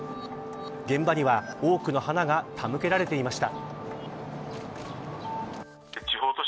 現場には、多くの花が手向けられていました。